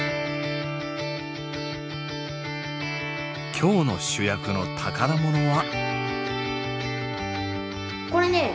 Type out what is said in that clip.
今日の主役の宝物は。